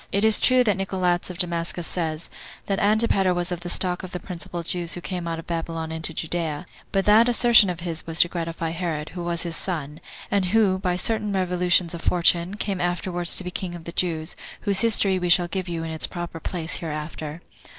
It is true that Nicolaus of Damascus says, that Antipater was of the stock of the principal Jews who came out of Babylon into Judea; but that assertion of his was to gratify Herod, who was his son, and who, by certain revolutions of fortune, came afterward to be king of the Jews, whose history we shall give you in its proper place hereafter.